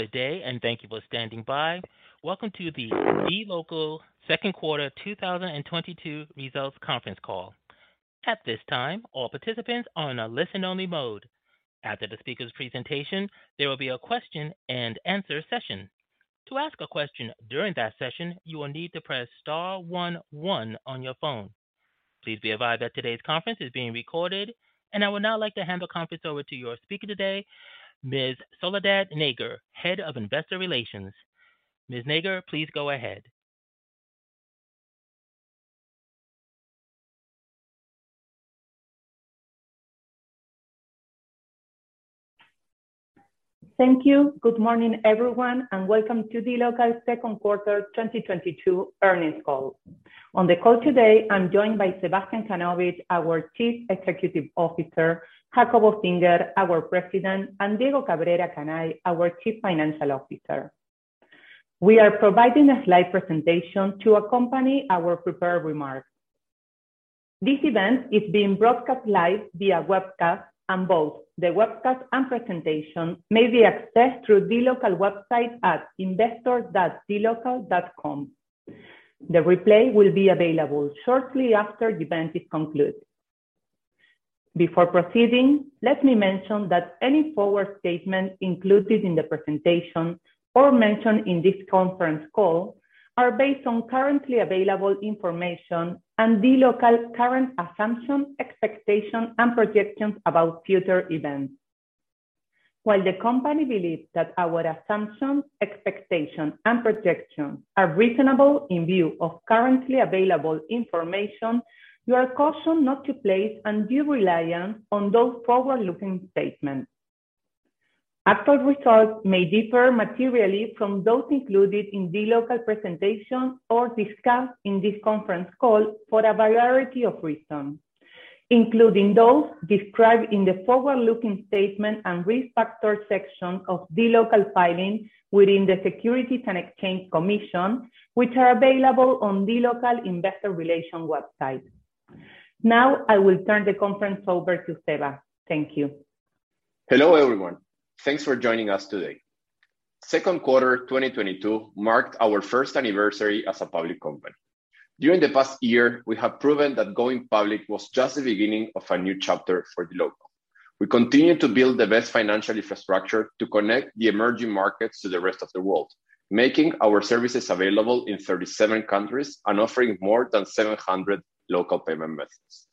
Good day, thank you for standing by. Welcome to the dLocal second quarter 2022 results conference call. At this time, all participants are in a listen only mode. After the speaker's presentation, there will be a question-and-answer session. To ask a question during that session, you will need to press star one one on your phone. Please be advised that today's conference is being recorded. I would now like to hand the conference over to your speaker today, Ms. Soledad Nager, Head of Investor Relations. Ms. Nager, please go ahead. Thank you. Good morning, everyone, and welcome to dLocal second quarter 2022 earnings call. On the call today, I'm joined by Sebastián Kanovich, our Chief Executive Officer, Jacobo Singer, our President, and Diego Cabrera Canay, our Chief Financial Officer. We are providing a slide presentation to accompany our prepared remarks. This event is being broadcast live via webcast, and both the webcast and presentation may be accessed through dLocal website at investor.dlocal.com. The replay will be available shortly after event is concluded. Before proceeding, let me mention that any forward-looking statement included in the presentation or mentioned in this conference call are based on currently available information and dLocal's current assumptions, expectations, and projections about future events. While the company believes that our assumptions, expectations, and projections are reasonable in view of currently available information, you are cautioned not to place undue reliance on those forward-looking statements. Actual results may differ materially from those included in dLocal presentation or discussed in this conference call for a variety of reasons, including those described in the forward-looking statement and risk factor section of dLocal filing with the Securities and Exchange Commission, which are available on dLocal investor relations website. Now, I will turn the conference over to Seba. Thank you. Hello, everyone. Thanks for joining us today. Second quarter 2022 marked our first anniversary as a public company. During the past year, we have proven that going public was just the beginning of a new chapter for dLocal. We continue to build the best financial infrastructure to connect the emerging markets to the rest of the world, making our services available in 37 countries and offering more than 700 local payment methods.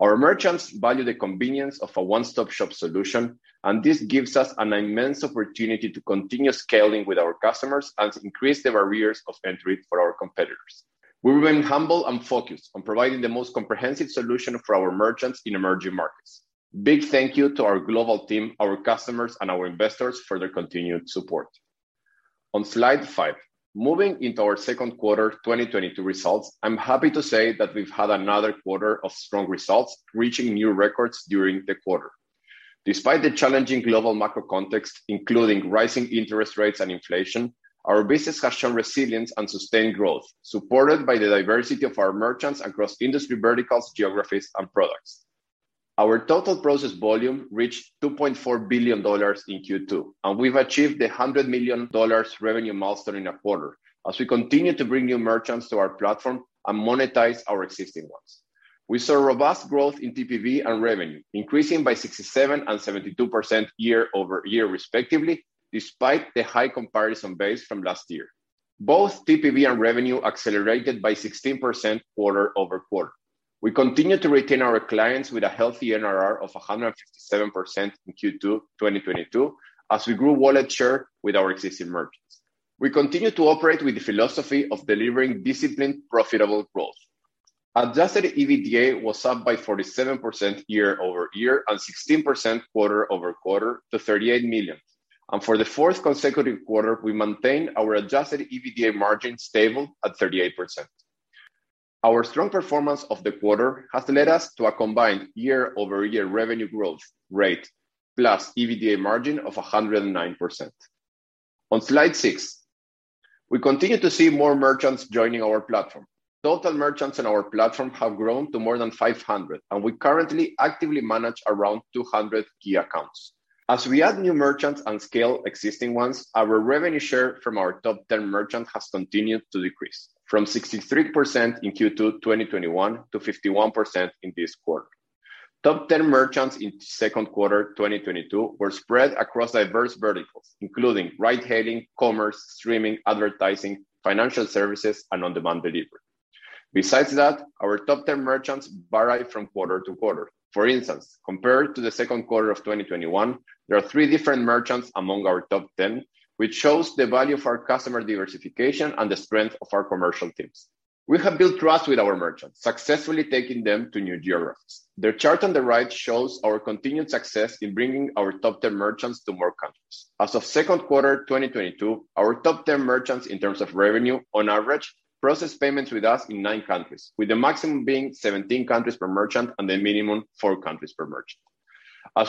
Our merchants value the convenience of a one-stop shop solution, and this gives us an immense opportunity to continue scaling with our customers and increase the barriers of entry for our competitors. We've been humble and focused on providing the most comprehensive solution for our merchants in emerging markets. Big thank you to our global team, our customers, and our investors for their continued support. On slide five, moving into our second quarter 2022 results, I'm happy to say that we've had another quarter of strong results, reaching new records during the quarter. Despite the challenging global macro context, including rising interest rates and inflation, our business has shown resilience and sustained growth, supported by the diversity of our merchants across industry verticals, geographies, and products. Our total payment volume reached $2.4 billion in Q2, and we've achieved the $100 million revenue milestone in a quarter as we continue to bring new merchants to our platform and monetize our existing ones. We saw robust growth in TPV and revenue, increasing by 67% and 72% year-over-year, respectively, despite the high comparison base from last year. Both TPV and revenue accelerated by 16% quarter-over-quarter. We continue to retain our clients with a healthy NRR of 157 in Q2 2022 as we grew wallet share with our existing merchants. We continue to operate with the philosophy of delivering disciplined, profitable growth. Adjusted EBITDA was up by 47% year-over-year and 16% quarter-over-quarter to $38 million. For the fourth consecutive quarter, we maintained our adjusted EBITDA margin stable at 38%. Our strong performance of the quarter has led us to a combined year-over-year revenue growth rate plus EBITDA margin of 109%. On slide six, we continue to see more merchants joining our platform. Total merchants in our platform have grown to more than 500, and we currently actively manage around 200 key accounts. As we add new merchants and scale existing ones, our revenue share from our top 10 merchants has continued to decrease from 63% in Q2 2021 to 51% in this quarter. Top 10 merchants in Q2 2022 were spread across diverse verticals, including ride hailing, commerce, streaming, advertising, financial services, and on-demand delivery. Besides that, our top 10 merchants vary from quarter to quarter. For instance, compared to the second quarter of 2021, there are three different merchants among our top 10, which shows the value of our customer diversification and the strength of our commercial teams. We have built trust with our merchants, successfully taking them to new geographies. The chart on the right shows our continued success in bringing our top 10 merchants to more countries. As of second quarter 2022, our top 10 merchants in terms of revenue on average process payments with us in 9 countries, with the maximum being 17 countries per merchant and the minimum 4 countries per merchant.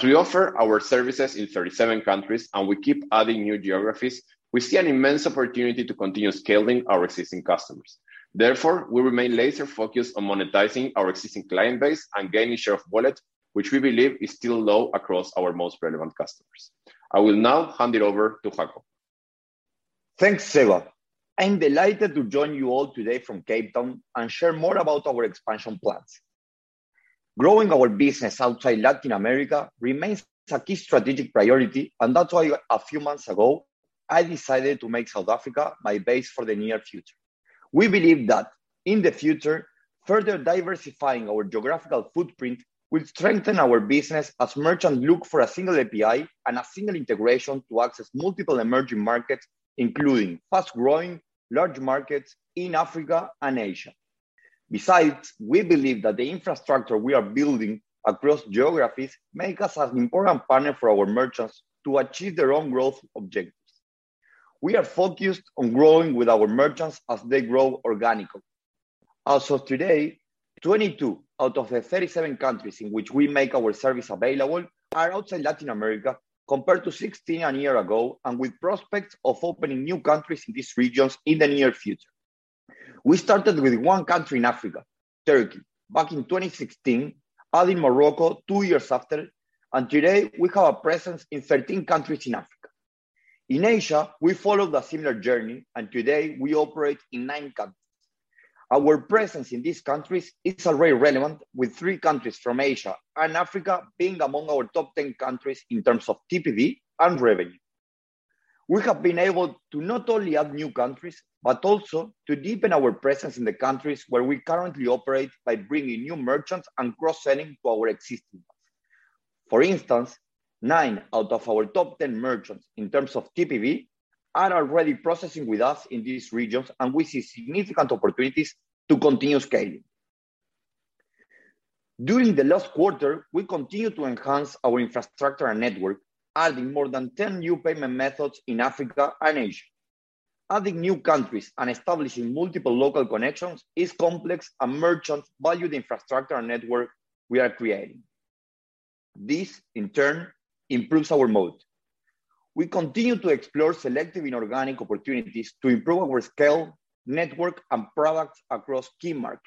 We offer our services in 37 countries and we keep adding new geographies. We see an immense opportunity to continue scaling our existing customers. We remain laser focused on monetizing our existing client base and gaining share of wallet, which we believe is still low across our most relevant customers. I will now hand it over to Jacobo. Thanks, Seba. I'm delighted to join you all today from Cape Town and share more about our expansion plans. Growing our business outside Latin America remains a key strategic priority, and that's why a few months ago, I decided to make South Africa my base for the near future. We believe that in the future, further diversifying our geographical footprint will strengthen our business as merchants look for a single API and a single integration to access multiple emerging markets, including fast-growing large markets in Africa and Asia. Besides, we believe that the infrastructure we are building across geographies make us an important partner for our merchants to achieve their own growth objectives. We are focused on growing with our merchants as they grow organically. As of today, 22 out of the 37 countries in which we make our service available are outside Latin America, compared to 16 a year ago, and with prospects of opening new countries in these regions in the near future. We started with one country in Africa, Turkey, back in 2016, adding Morocco 2 years after, and today we have a presence in 13 countries in Africa. In Asia, we followed a similar journey, and today we operate in nine countries. Our presence in these countries is already relevant, with three countries from Asia and Africa being among our top 10 countries in terms of TPV and revenue. We have been able to not only add new countries, but also to deepen our presence in the countries where we currently operate by bringing new merchants and cross-selling to our existing ones. For instance, nine out of our top 10 merchants in terms of TPV are already processing with us in these regions, and we see significant opportunities to continue scaling. During the last quarter, we continued to enhance our infrastructure and network, adding more than 10 new payment methods in Africa and Asia. Adding new countries and establishing multiple local connections is complex, and merchants value the infrastructure and network we are creating. This, in turn, improves our moat. We continue to explore selective inorganic opportunities to improve our scale, network, and products across key markets.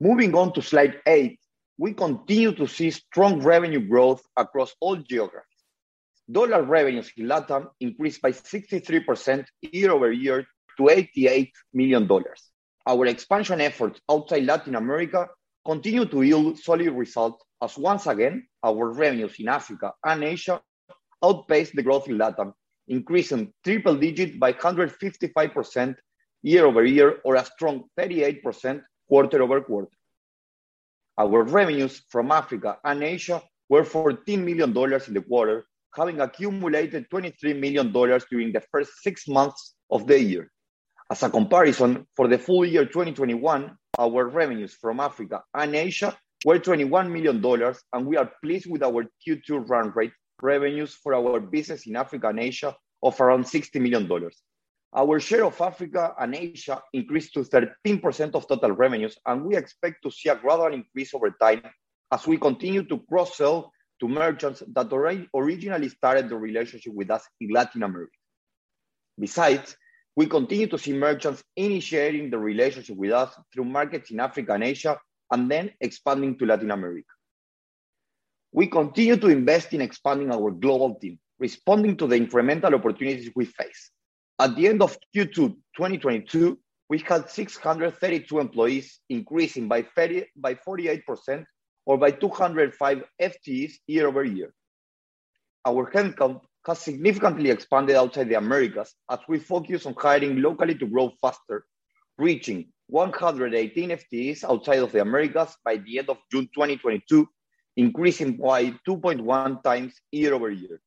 Moving on to slide eight, we continue to see strong revenue growth across all geographies. Dollar revenues in LATAM increased by 63% year-over-year to $88 million. Our expansion efforts outside Latin America continue to yield solid results as, once again, our revenues in Africa and Asia outpaced the growth in LATAM, increasing by triple digits by 155% year-over-year or a strong 38% quarter-over-quarter. Our revenues from Africa and Asia were $14 million in the quarter, having accumulated $23 million during the first six months of the year. As a comparison, for the full year 2021, our revenues from Africa and Asia were $21 million, and we are pleased with our Q2 run rate revenues for our business in Africa and Asia of around $60 million. Our share of Africa and Asia increased to 13% of total revenues, and we expect to see a gradual increase over time as we continue to cross-sell to merchants that originally started the relationship with us in Latin America. Besides, we continue to see merchants initiating the relationship with us through markets in Africa and Asia and then expanding to Latin America. We continue to invest in expanding our global team, responding to the incremental opportunities we face. At the end of Q2 2022, we had 632 employees, increasing by 48% or by 205 FTEs year-over-year. Our headcount has significantly expanded outside the Americas as we focus on hiring locally to grow faster, reaching 118 FTEs outside of the Americas by the end of June 2022, increasing by 2.1x year-over-year.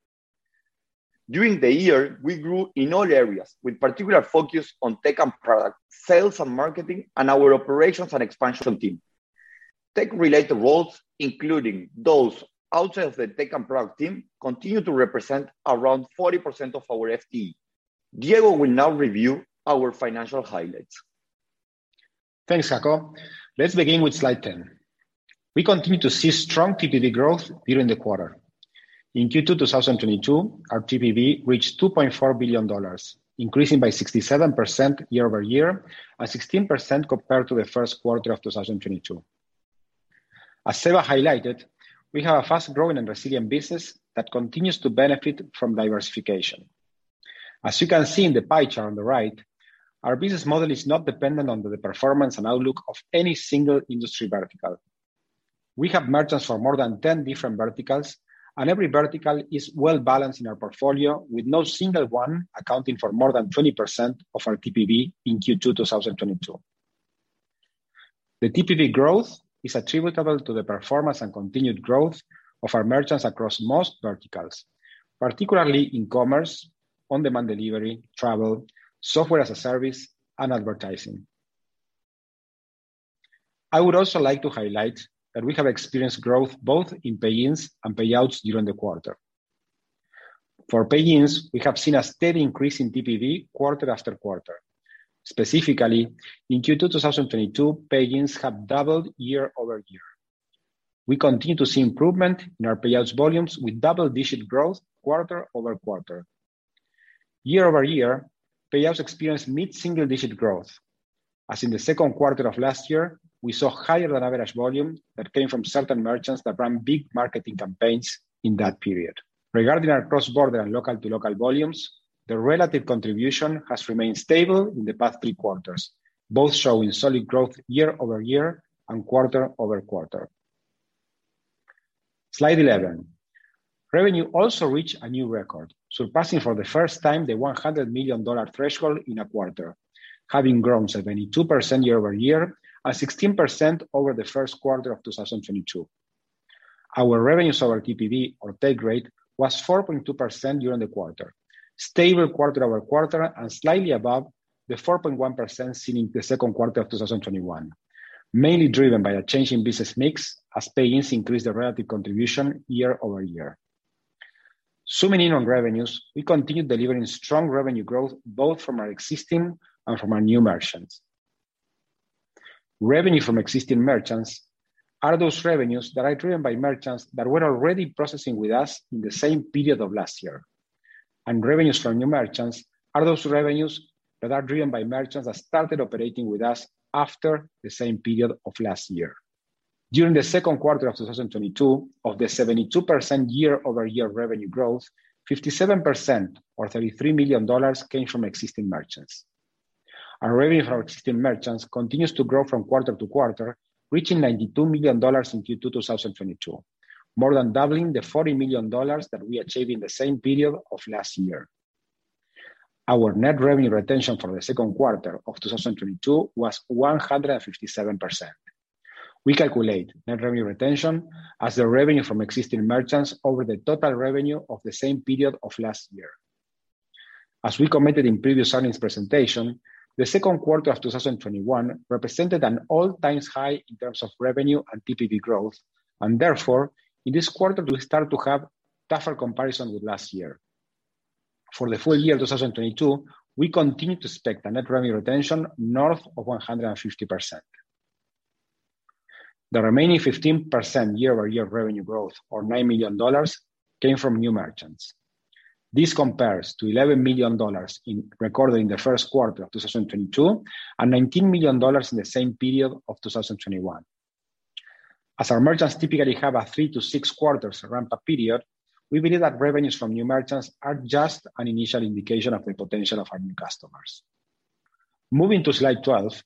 During the year, we grew in all areas, with particular focus on tech and product, sales and marketing, and our operations and expansion team. Tech-related roles, including those outside of the tech and product team, continue to represent around 40% of our FTE. Diego will now review our financial highlights. Thanks, Jaco. Let's begin with slide 10. We continue to see strong TPV growth during the quarter. In Q2 2022, our TPV reached $2.4 billion, increasing by 67% year-over-year and 16% compared to the first quarter of 2022. As Seba highlighted, we have a fast-growing and resilient business that continues to benefit from diversification. As you can see in the pie chart on the right, our business model is not dependent on the performance and outlook of any single industry vertical. We have merchants for more than 10 different verticals, and every vertical is well-balanced in our portfolio, with no single one accounting for more than 20% of our TPV in Q2 2022. The TPV growth is attributable to the performance and continued growth of our merchants across most verticals, particularly in commerce, on-demand delivery, travel, software as a service, and advertising. I would also like to highlight that we have experienced growth both in Payins and Payouts during the quarter. For Payins, we have seen a steady increase in TPV quarter after quarter. Specifically, in Q2 2022, Payins have doubled year-over-year. We continue to see improvement in our Payouts volumes with double-digit growth quarter-over-quarter. Year-over-year, Payouts experienced mid-single digit growth. As in the second quarter of last year, we saw higher than average volume that came from certain merchants that ran big marketing campaigns in that period. Regarding our cross-border and local-to-local volumes, the relative contribution has remained stable in the past three quarters, both showing solid growth year-over-year and quarter-over-quarter. Slide 11. Revenue also reached a new record, surpassing for the first time the $100 million threshold in a quarter, having grown 72% year-over-year and 16% over the first quarter of 2022. Our revenues over TPV or take rate was 4.2% during the quarter, stable quarter-over-quarter, and slightly above the 4.1% seen in the second quarter of 2021, mainly driven by a change in business mix as Payins increased the relative contribution year-over-year. Zooming in on revenues, we continue delivering strong revenue growth both from our existing and from our new merchants. Revenue from existing merchants are those revenues that are driven by merchants that were already processing with us in the same period of last year, and revenues from new merchants are those revenues that are driven by merchants that started operating with us after the same period of last year. During the second quarter of 2022, of the 72% year-over-year revenue growth, 57% or $33 million came from existing merchants. Our revenue from existing merchants continues to grow from quarter to quarter, reaching $92 million in Q2 2022, more than doubling the $40 million that we achieved in the same period of last year. Our net revenue retention for the second quarter of 2022 was 157%. We calculate net revenue retention as the revenue from existing merchants over the total revenue of the same period of last year. As we commented in previous earnings presentation, the second quarter of 2021 represented an all-time high in terms of revenue and TPV growth, and therefore, in this quarter we start to have tougher comparison with last year. For the full year of 2022, we continue to expect a net revenue retention north of 150%. The remaining 15% year-over-year revenue growth or $9 million came from new merchants. This compares to $11 million recorded in the first quarter of 2022 and $19 million in the same period of 2021. As our merchants typically have a three to six quarters ramp-up period, we believe that revenues from new merchants are just an initial indication of the potential of our new customers. Moving to slide 12,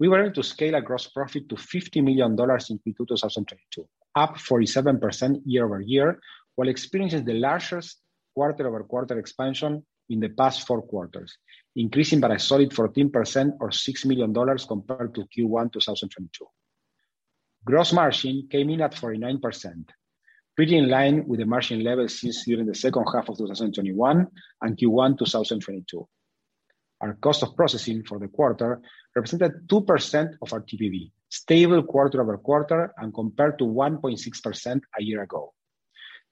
we were able to scale our gross profit to $50 million in Q2 2022, up 47% year-over-year, while experiencing the largest quarter-over-quarter expansion in the past four quarters, increasing by a solid 14% or $6 million compared to Q1 2022. Gross margin came in at 49%, pretty in line with the margin level since during the second half of 2021 and Q1 2022. Our cost of processing for the quarter represented 2% of our TPV, stable quarter-over-quarter, and compared to 1.6% a year ago.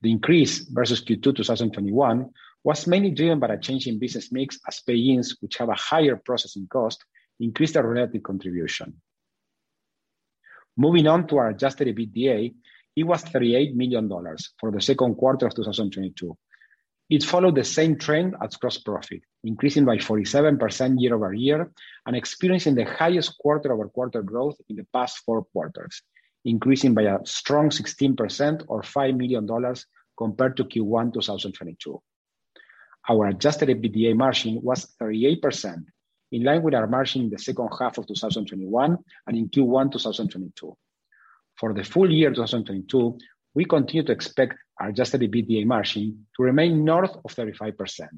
The increase versus Q2 2021 was mainly driven by a change in business mix as Payins which have a higher processing cost increased our relative contribution. Moving on to our adjusted EBITDA, it was $38 million for the second quarter of 2022. It followed the same trend as gross profit, increasing by 47% year-over-year and experiencing the highest quarter-over-quarter growth in the past four quarters, increasing by a strong 16% or $5 million compared to Q1 2022. Our adjusted EBITDA margin was 38%, in line with our margin in the second half of 2021 and in Q1 2022. For the full year of 2022, we continue to expect our adjusted EBITDA margin to remain north of 35%.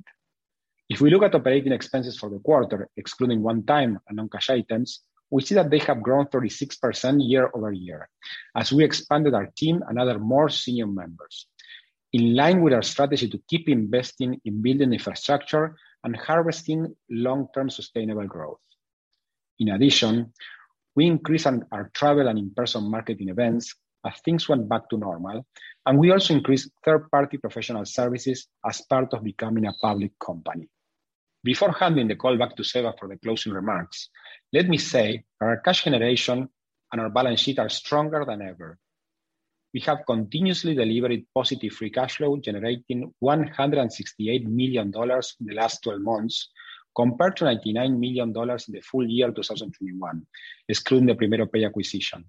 If we look at operating expenses for the quarter, excluding one-time and non-cash items, we see that they have grown 36% year-over-year as we expanded our team and added more senior members. In line with our strategy to keep investing in building infrastructure and harvesting long-term sustainable growth. In addition, we increased on our travel and in-person marketing events as things went back to normal, and we also increased third-party professional services as part of becoming a public company. Before handing the call back to Seba for the closing remarks, let me say our cash generation and our balance sheet are stronger than ever. We have continuously delivered positive free cash flow, generating $168 million in the last twelve months compared to $99 million in the full year of 2021, excluding the PrimeiroPay acquisition,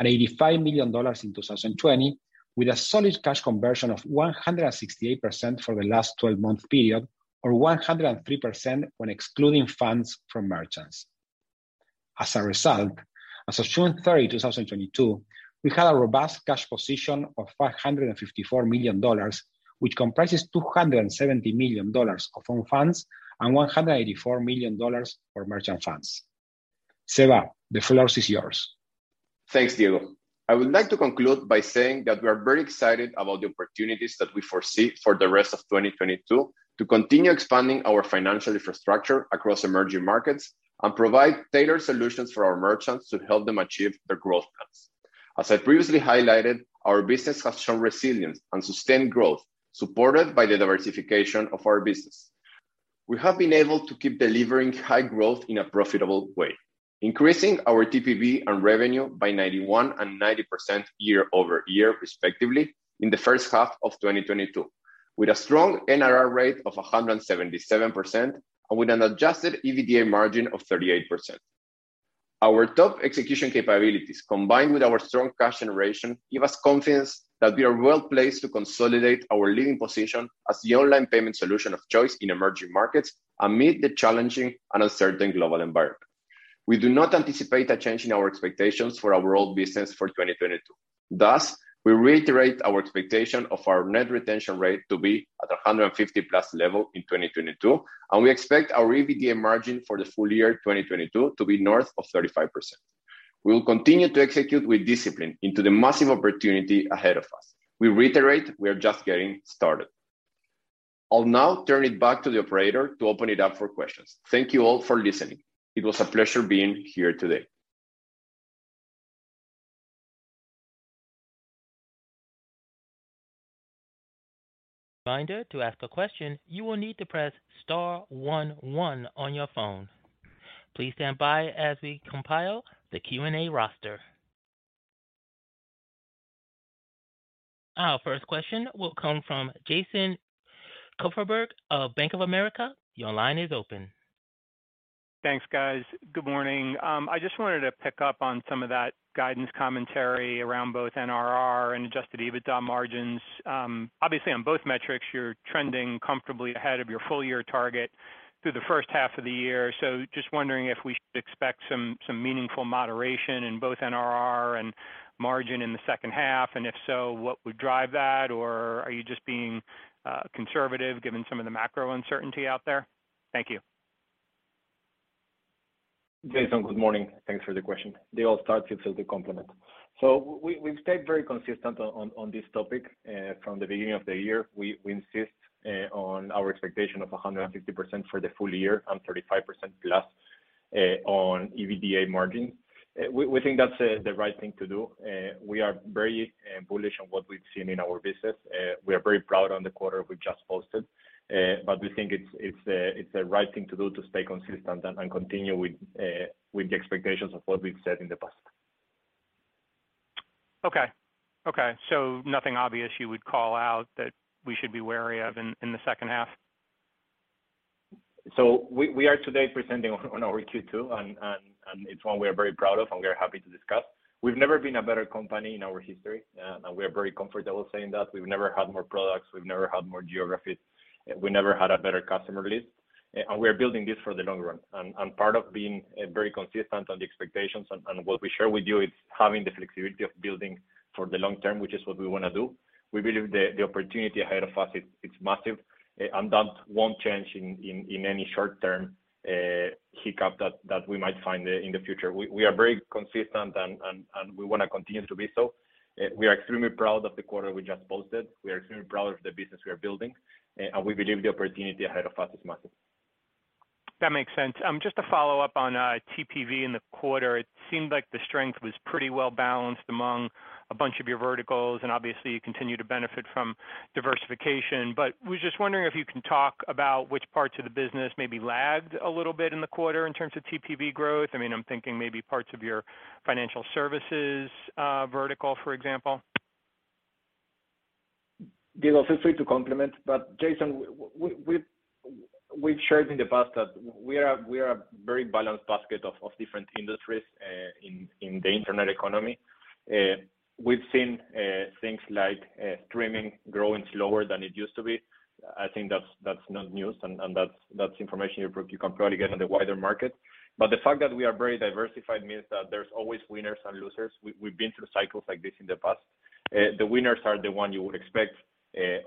and $85 million in 2020, with a solid cash conversion of 168% for the last twelve-month period or 103% when excluding funds from merchants. As a result, as of June 30, 2022, we had a robust cash position of $554 million, which comprises $270 million of own funds and $184 million for merchant funds. Seba, the floor is yours. Thanks, Diego. I would like to conclude by saying that we are very excited about the opportunities that we foresee for the rest of 2022 to continue expanding our financial infrastructure across emerging markets and provide tailored solutions for our merchants to help them achieve their growth plans. As I previously highlighted, our business has shown resilience and sustained growth, supported by the diversification of our business. We have been able to keep delivering high growth in a profitable way, increasing our TPV and revenue by 91% and 90% year-over-year respectively in the first half of 2022, with a strong NRR of 177% and with an adjusted EBITDA margin of 38%. Our top execution capabilities, combined with our strong cash generation, give us confidence that we are well-placed to consolidate our leading position as the online payment solution of choice in emerging markets amid the challenging and uncertain global environment. We do not anticipate a change in our expectations for our world business for 2022. Thus, we reiterate our expectation of our net retention rate to be at a 150+ level in 2022, and we expect our EBITDA margin for the full year 2022 to be north of 35%. We will continue to execute with discipline into the massive opportunity ahead of us. We reiterate we are just getting started. I'll now turn it back to the operator to open it up for questions. Thank you all for listening. It was a pleasure being here today. Reminder, to ask a question, you will need to press star one one on your phone. Please stand by as we compile the Q&A roster. Our first question will come from Jason Kupferberg of Bank of America. Your line is open. Thanks, guys. Good morning. I just wanted to pick up on some of that guidance commentary around both NRR and adjusted EBITDA margins. Obviously on both metrics, you're trending comfortably ahead of your full year target through the first half of the year. Just wondering if we should expect some meaningful moderation in both NRR and margin in the second half, and if so, what would drive that? Or are you just being conservative given some of the macro uncertainty out there? Thank you. Jason, good morning. Thanks for the question. Diego starts, it's his to comment. We've stayed very consistent on this topic from the beginning of the year. We insist on our expectation of 150% for the full year and 35%+ on EBITDA margin. We think that's the right thing to do. We are very bullish on what we've seen in our business. We are very proud of the quarter we just posted. We think it's the right thing to do to stay consistent and continue with the expectations of what we've said in the past. Okay. Nothing obvious you would call out that we should be wary of in the second half? We are today presenting on our Q2 and it's one we are very proud of and we are happy to discuss. We've never been a better company in our history, and we are very comfortable saying that. We've never had more products. We've never had more geographies. We never had a better customer list. And we are building this for the long run. Part of being very consistent on the expectations and what we share with you is having the flexibility of building for the long term, which is what we wanna do. We believe the opportunity ahead of us, it's massive. That won't change in any short term hiccup that we might find in the future. We are very consistent and we wanna continue to be so. We are extremely proud of the quarter we just posted. We are extremely proud of the business we are building. We believe the opportunity ahead of us is massive. That makes sense. Just to follow up on TPV in the quarter, it seemed like the strength was pretty well balanced among a bunch of your verticals, and obviously you continue to benefit from diversification. Was just wondering if you can talk about which parts of the business maybe lagged a little bit in the quarter in terms of TPV growth. I mean, I'm thinking maybe parts of your financial services vertical, for example. Diego, feel free to complement. Jason, we've shared in the past that we are a very balanced basket of different industries in the internet economy. We've seen things like streaming growing slower than it used to be. I think that's not news and that's information you can probably get on the wider market. The fact that we are very diversified means that there's always winners and losers. We've been through cycles like this in the past. The winners are the ones you would expect,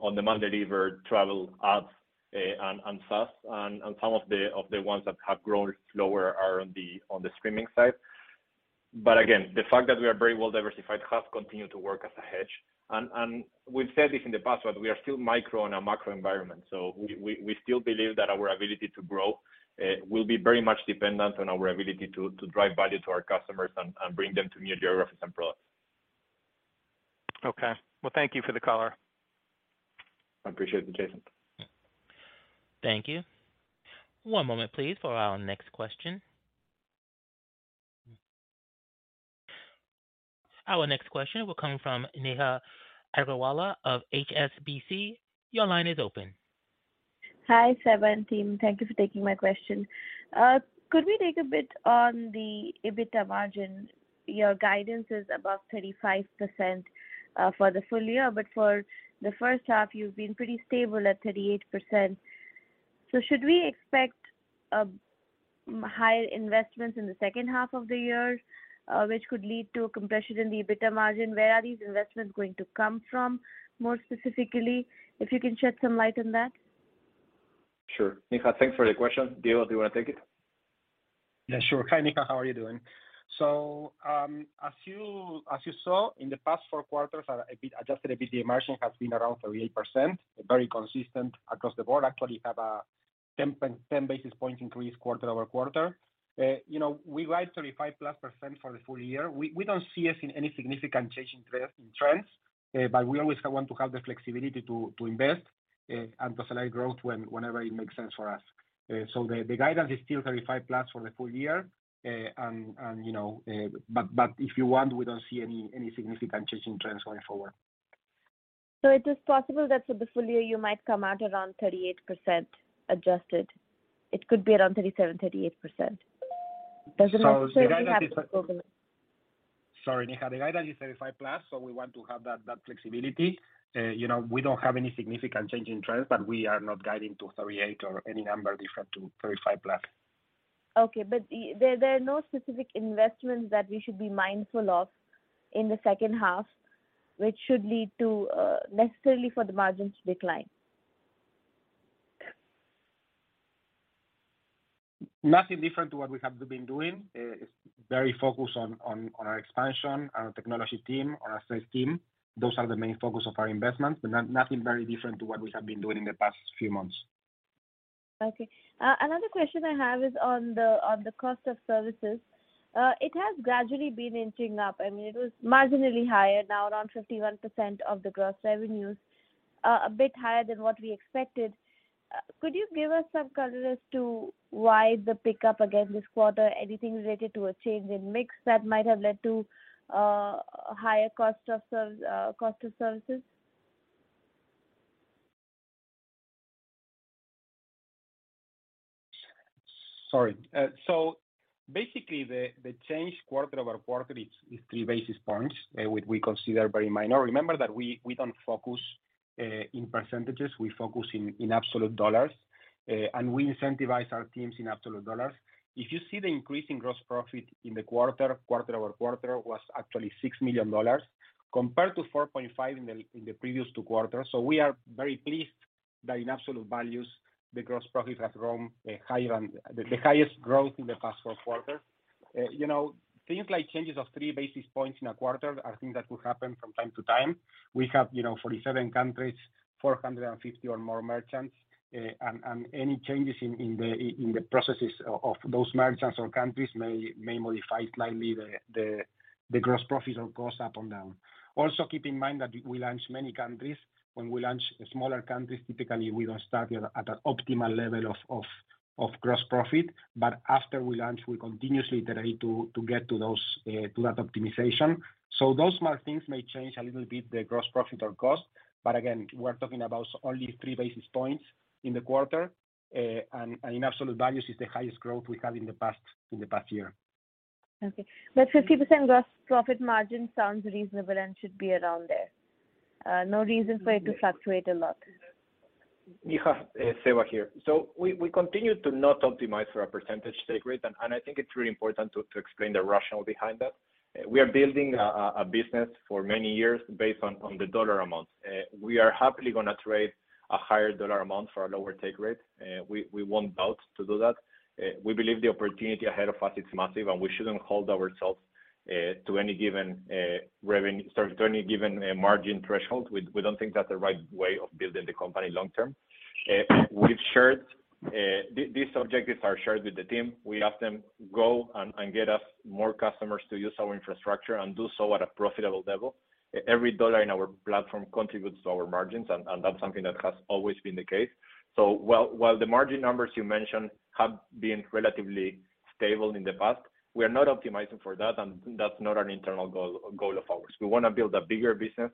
on demand delivery, travel, ads, and SaaS. Some of the ones that have grown slower are on the streaming side. Again, the fact that we are very well diversified has continued to work as a hedge. We've said this in the past, but we are still micro in a macro environment. We still believe that our ability to grow will be very much dependent on our ability to drive value to our customers and bring them to new geographies and products. Okay. Well, thank you for the color. Appreciate it, Jason. Thank you. One moment please for our next question. Our next question will come from Neha Agarwala of HSBC. Your line is open. Hi, Seba and team. Thank you for taking my question. Could we take a bit on the EBITDA margin? Your guidance is above 35% for the full year, but for the first half you've been pretty stable at 38%. Should we expect higher investments in the second half of the year, which could lead to a compression in the EBITDA margin? Where are these investments going to come from, more specifically? If you can shed some light on that. Sure. Neha, thanks for the question. Diego, do you wanna take it? Yeah, sure. Hi, Neha. How are you doing? As you saw in the past four quarters, our adjusted EBITDA margin has been around 38%, very consistent across the board. Actually have a 10 basis point increase quarter-over-quarter. You know, we guide 35%+ for the full year. We don't see us in any significant change in trends, but we always want to have the flexibility to invest and facilitate growth whenever it makes sense for us. The guidance is still 35%+ for the full year. You know, but if you want, we don't see any significant change in trends going forward. It is possible that for the full year you might come out around 38% adjusted. It could be around 37%-38%. Does it necessarily have to go? Sorry, Neha. The guidance is 35%+, so we want to have that flexibility. You know, we don't have any significant change in trends, but we are not guiding to 38% or any number different to 35%+. Okay. There are no specific investments that we should be mindful of in the second half, which should lead to necessarily for the margins to decline. Nothing different to what we have been doing. It's very focused on our expansion, our technology team, on our sales team. Those are the main focus of our investments. Nothing very different to what we have been doing in the past few months. Okay. Another question I have is on the cost of services. It has gradually been inching up. I mean, it was marginally higher now around 51% of the gross revenues, a bit higher than what we expected. Could you give us some color as to why the pickup again this quarter, anything related to a change in mix that might have led to higher cost of services? Basically the change quarter-over-quarter is three basis points, which we consider very minor. Remember that we don't focus in percentages, we focus in absolute dollars. We incentivize our teams in absolute dollars. If you see the increase in gross profit quarter-over-quarter was actually $6 million compared to $4.5 million in the previous two quarters. We are very pleased that in absolute values the gross profit has grown higher than the highest growth in the past four quarters. You know, things like changes of three basis points in a quarter are things that will happen from time to time. We have, you know, 47 countries, 450 or more merchants. Any changes in the processes of those merchants or countries may modify slightly the gross profit or cost up or down. Also, keep in mind that we launch many countries. When we launch smaller countries, typically we don't start at an optimal level of gross profit. After we launch, we continuously iterate to get to those to that optimization. Those small things may change a little bit the gross profit or cost. Again, we're talking about only three basis points in the quarter. In absolute values it's the highest growth we have in the past year. Okay. 50% gross profit margin sounds reasonable and should be around there. No reason for it to fluctuate a lot. Neha, Seba here. We continue to not optimize for a percentage take rate, and I think it's really important to explain the rationale behind that. We are building a business for many years based on the dollar amounts. We are happily gonna trade a higher dollar amount for a lower take rate. We want both to do that. We believe the opportunity ahead of us is massive, and we shouldn't hold ourselves to any given margin threshold. We don't think that's the right way of building the company long term. We've shared these objectives with the team. We ask them, "Go and get us more customers to use our infrastructure and do so at a profitable level." Every dollar in our platform contributes to our margins, and that's something that has always been the case. While the margin numbers you mentioned have been relatively stable in the past, we are not optimizing for that, and that's not an internal goal of ours. We wanna build a bigger business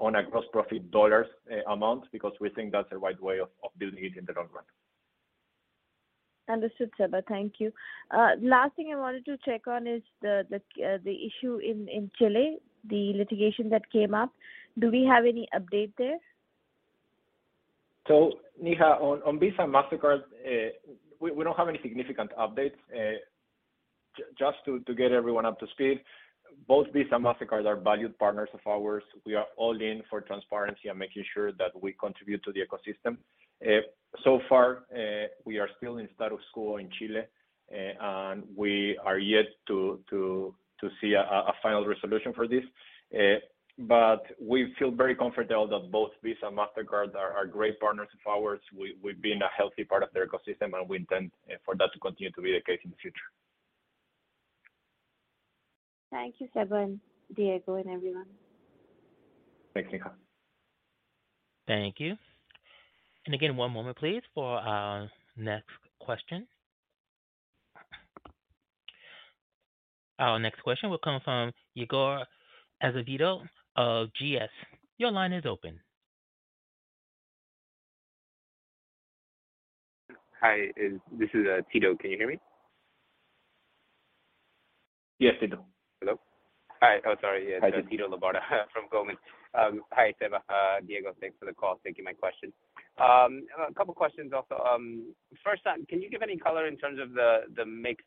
on a gross profit dollars amount because we think that's the right way of building it in the long run. Understood, Seba. Thank you. Last thing I wanted to check on is the issue in Chile, the litigation that came up. Do we have any update there? Neha on Visa and Mastercard, we don't have any significant updates. Just to get everyone up to speed, both Visa and Mastercard are valued partners of ours. We are all in for transparency and making sure that we contribute to the ecosystem. So far, we are still in status quo in Chile, and we are yet to see a final resolution for this. We feel very comfortable that both Visa and Mastercard are great partners of ours. We've been a healthy part of their ecosystem, and we intend for that to continue to be the case in the future. Thank you, Seba, Diego, and everyone. Thanks, Neha. Thank you. Again, one moment please for our next question. Our next question will come from Tito Labarta of GS. Your line is open. Hi, this is Tito. Can you hear me? Yes, Tito. Hello? Hi. Oh, sorry. Yes. Hi, Tito. It's Tito Labarta from Goldman. Hi, Seba, Diego. Thanks for the call. Thank you for my question. A couple questions also. First, can you give any color in terms of the mix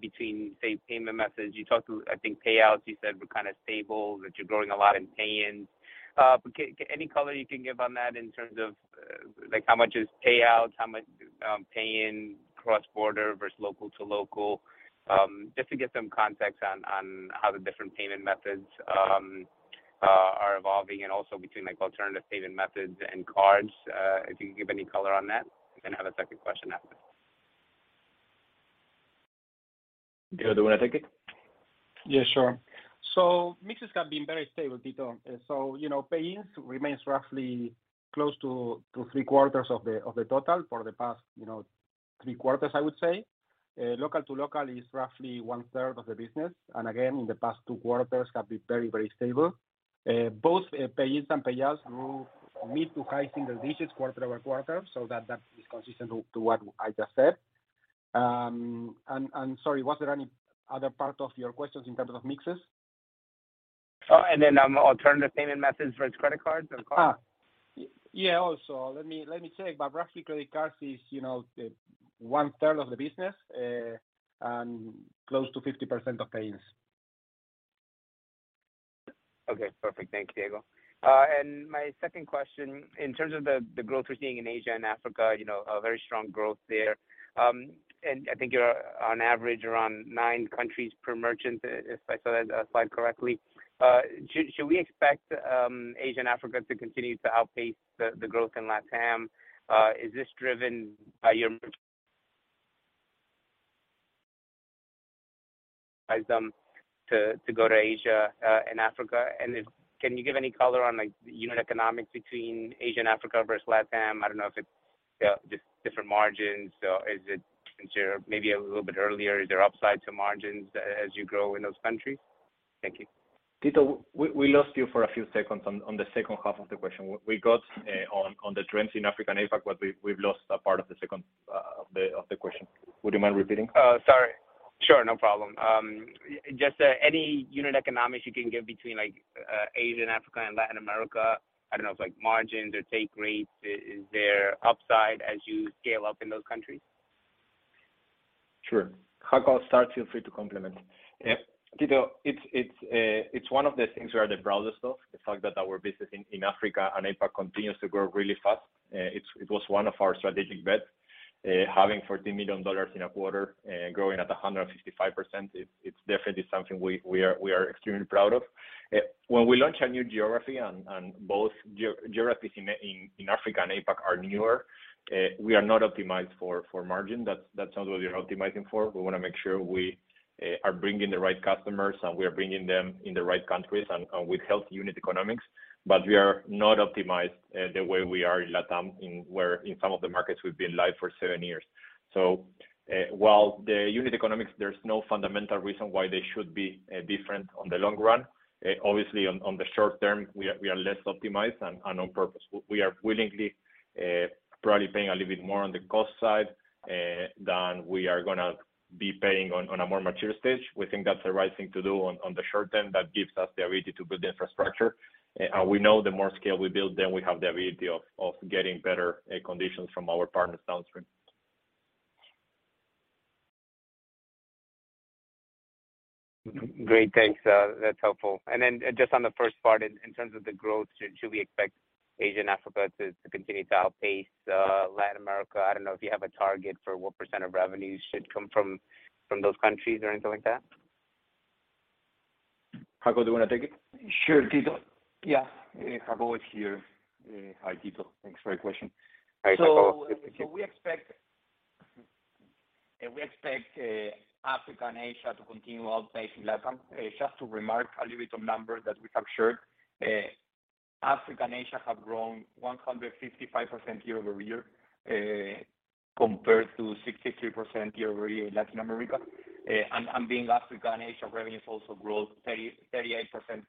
between, say, payment methods? You talked to I think Payouts you said were kind of stable, that you're growing a lot in Payins. But can you give any color on that in terms of like how much is Payouts, how much Payins cross-border versus local-to-local? Just to get some context on how the different payment methods are evolving and also between like alternative payment methods and cards. If you can give any color on that. I have a second question after. Diego, do you wanna take it? Yeah, sure. Mixes have been very stable, Tito. You know, Payins remains roughly close to three quarters of the total for the past, you know, three quarters, I would say. Local-to-local is roughly 1/3 of the business, and again, in the past two quarters have been very, very stable. Both Payins and Payouts grew mid- to high-single-digits quarter-over-quarter, so that is consistent to what I just said. Sorry, was there any other part of your questions in terms of mixes? Oh, alternative payment methods versus credit cards and card. Yeah, also. Let me check. Roughly credit cards is, you know, 1/3 of the business, and close to 50% of Payins. Okay. Perfect. Thanks, Diego. My second question, in terms of the growth we're seeing in Asia and Africa, you know, a very strong growth there. I think you're on average around nine countries per merchant, if I saw that slide correctly. Should we expect Asia and Africa to continue to outpace the growth in LATAM? Is this driven by your to go to Asia and Africa? Can you give any color on, like, unit economics between Asia and Africa versus LATAM? I don't know if it's just different margins. Is it since you're maybe a little bit earlier, is there upside to margins as you grow in those countries? Thank you. Tito, we lost you for a few seconds on the second half of the question. We got on the trends in Africa and APAC, but we've lost a part of the second of the question. Would you mind repeating? Sorry. Sure, no problem. Just any unit economics you can give between, like, Asia and Africa and Latin America, I don't know, like margins or take rates. Is there upside as you scale up in those countries? Sure. Jacob, start, feel free to comment. Yeah. Tito, it's one of the things we are the proudest of, the fact that our business in Africa and APAC continues to grow really fast. It was one of our strategic bets. Having $14 million in a quarter, growing at 155%, it's definitely something we are extremely proud of. When we launch a new geography, both geographies in Africa and APAC are newer, we are not optimized for margin. That's not what we are optimizing for. We wanna make sure we are bringing the right customers, and we are bringing them in the right countries and with healthy unit economics. We are not optimized the way we are in LATAM, in where in some of the markets we've been live for 7 years. While the unit economics, there's no fundamental reason why they should be different on the long run. Obviously on the short term, we are less optimized and on purpose. We are willingly probably paying a little bit more on the cost side than we are gonna be paying on a more mature stage. We think that's the right thing to do on the short term. That gives us the ability to build the infrastructure. We know the more scale we build, then we have the ability of getting better conditions from our partners downstream. Great. Thanks. That's helpful. Just on the first part in terms of the growth, should we expect Asia and Africa to continue to outpace Latin America? I don't know if you have a target for what percent of revenues should come from those countries or anything like that. Jacobo, do you wanna take it? Sure, Tito. Yeah. Jacobo here. Hi, Tito. Thanks for your question. Hi, Jacobo. We expect Africa and Asia to continue outpacing LATAM. Just to remark a little bit on the numbers that we have shared. Africa and Asia have grown 155% year-over-year, compared to 63% year-over-year in Latin America. The Africa and Asia revenues also grow 38%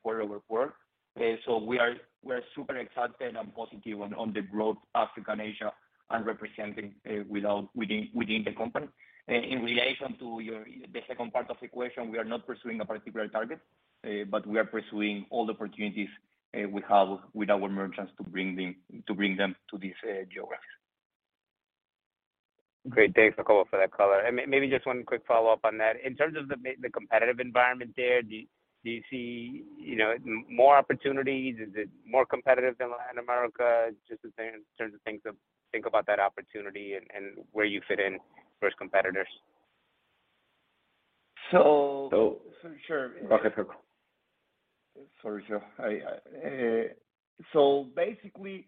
quarter-over-quarter. We are super excited and positive on the growth Africa and Asia are representing within the company. In relation to the second part of the equation, we are not pursuing a particular target, but we are pursuing all the opportunities we have with our merchants to bring them to these geographies. Great. Thanks, Jacobo, for that color. Maybe just one quick follow-up on that. In terms of the competitive environment there, do you see, you know, more opportunities? Is it more competitive than Latin America? Just in terms of things think about that opportunity and where you fit in versus competitors. Sure. Go ahead, Jacobo. Sorry, sir. Basically,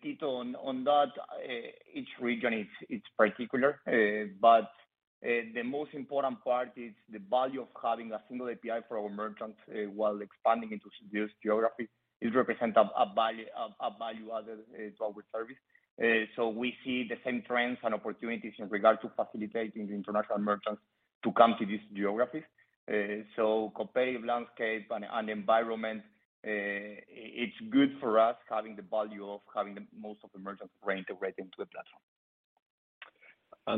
Tito, on that, each region is particular. The most important part is the value of having a single API for our merchants while expanding into this geography. It represents a value add to our service. We see the same trends and opportunities in regard to facilitating international merchants to come to these geographies. Competitive landscape and environment, it's good for us having the value of having most of the merchants we're integrating to the platform.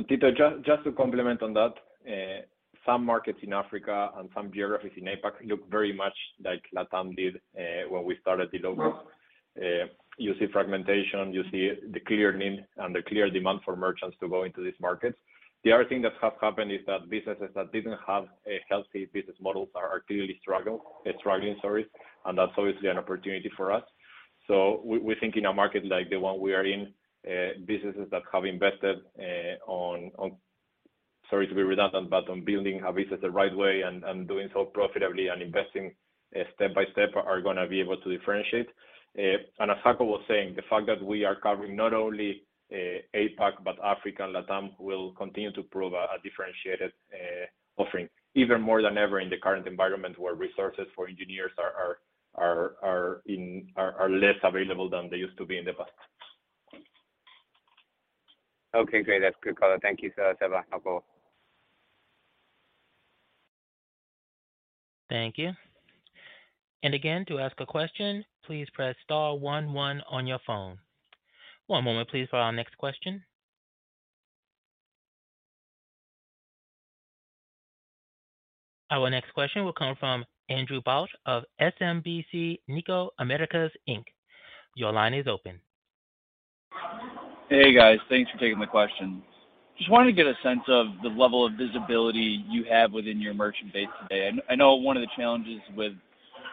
Tito, just to complement on that, some markets in Africa and some geographies in APAC look very much like LATAM did when we started dLocal. You see fragmentation, you see the clear need and the clear demand for merchants to go into these markets. The other thing that has happened is that businesses that didn't have a healthy business model are clearly struggling. That's obviously an opportunity for us. We think in a market like the one we are in, businesses that have invested on, sorry to be redundant, but on building a business the right way and doing so profitably and investing step by step are gonna be able to differentiate. As Jacobo was saying, the fact that we are covering not only APAC, but Africa and LATAM will continue to prove a differentiated offering even more than ever in the current environment where resources for engineers are less available than they used to be in the past. Okay, great. That's good color. Thank you, sir. Seba, I'll go. Thank you. Again, to ask a question, please press star one one on your phone. One moment please for our next question. Our next question will come from Andrew Bauch of SMBC Nikko America, Inc. Your line is open. Hey, guys. Thanks for taking my question. Just wanted to get a sense of the level of visibility you have within your merchant base today. I know one of the challenges with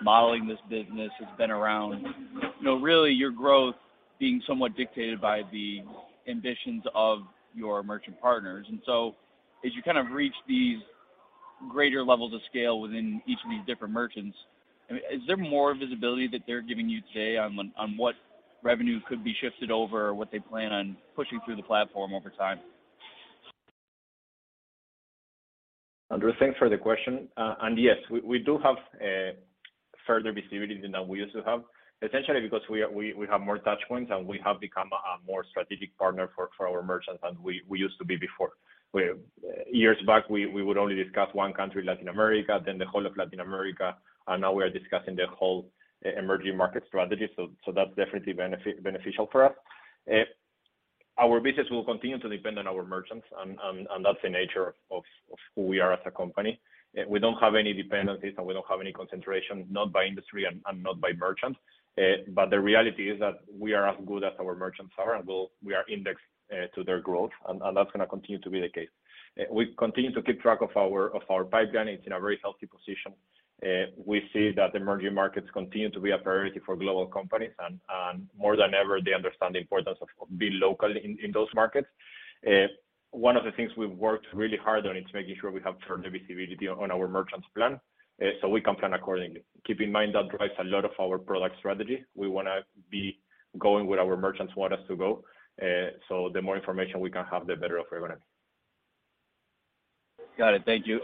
modeling this business has been around, you know, really your growth being somewhat dictated by the ambitions of your merchant partners. As you kind of reach these greater levels of scale within each of these different merchants, I mean, is there more visibility that they're giving you today on what revenue could be shifted over, what they plan on pushing through the platform over time? Andrew, thanks for the question. Yes, we do have further visibility than we used to have, essentially because we have more touch points, and we have become a more strategic partner for our merchants than we used to be before. Years back, we would only discuss one country, Latin America, then the whole of Latin America, and now we are discussing the whole emerging market strategy. That's definitely beneficial for us. Our business will continue to depend on our merchants, and that's the nature of who we are as a company. We don't have any dependencies, and we don't have any concentration, not by industry and not by merchants. The reality is that we are as good as our merchants are, and we are indexed to their growth, and that's gonna continue to be the case. We continue to keep track of our pipeline. It's in a very healthy position. We see that the emerging markets continue to be a priority for global companies and more than ever, they understand the importance of being local in those markets. One of the things we've worked really hard on is making sure we have further visibility on our merchants plan, so we can plan accordingly. Keep in mind, that drives a lot of our product strategy. We wanna be going where our merchants want us to go. The more information we can have, the better off we're gonna be. Got it. Thank you.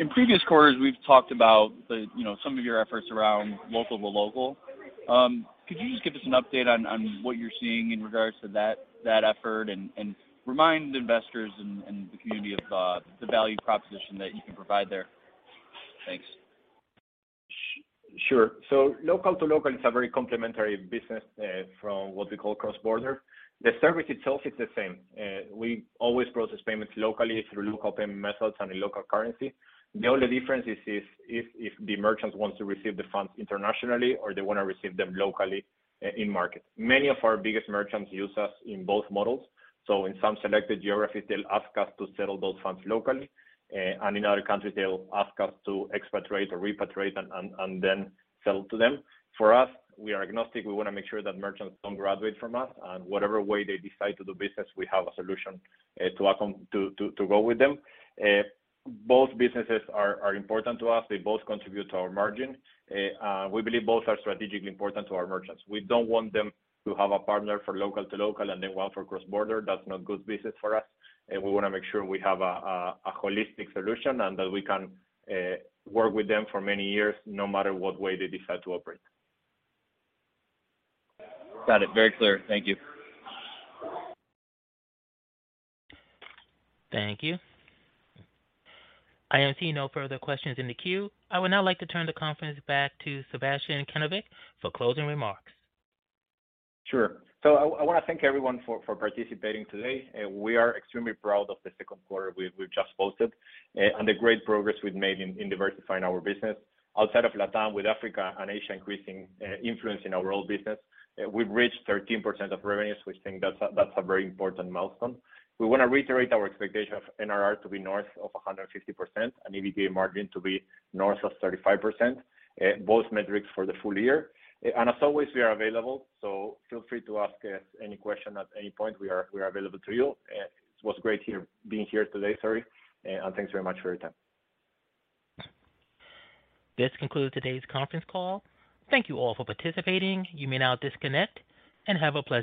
In previous quarters, we've talked about the, you know, some of your efforts around local-to-local. Could you just give us an update on what you're seeing in regards to that effort? Remind investors and the community of the value proposition that you can provide there. Thanks. Sure. Local to local is a very complementary business from what we call cross-border. The service itself is the same. We always process payments locally through local payment methods and in local currency. The only difference is if the merchants wants to receive the funds internationally or they wanna receive them locally in market. Many of our biggest merchants use us in both models. In some selected geographies, they'll ask us to settle those funds locally. And in other countries, they'll ask us to expatriate or repatriate and then settle to them. For us, we are agnostic. We wanna make sure that merchants don't graduate from us, and whatever way they decide to do business, we have a solution to go with them. Both businesses are important to us. They both contribute to our margin. We believe both are strategically important to our merchants. We don't want them to have a partner for local-to-local and then one for cross-border. That's not good business for us. We wanna make sure we have a holistic solution and that we can work with them for many years no matter what way they decide to operate. Got it. Very clear. Thank you. Thank you. I am seeing no further questions in the queue. I would now like to turn the conference back to Sebastián Kanovich for closing remarks. Sure. I wanna thank everyone for participating today. We are extremely proud of the second quarter we've just posted and the great progress we've made in diversifying our business outside of LATAM with Africa and Asia increasing influence in our overall business. We've reached 13% of revenues, which I think that's a very important milestone. We wanna reiterate our expectation of NRR to be north of 150% and EBITDA margin to be north of 35%, both metrics for the full year. As always, we are available, so feel free to ask us any question at any point. We are available to you. It was great being here today, sorry, and thanks very much for your time. This concludes today's conference call. Thank you all for participating. You may now disconnect and have a pleasant day.